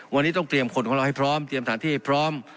วันนี้ต้องเตรียมคนของเราให้พร้อมเตรียมสถานที่ให้พร้อม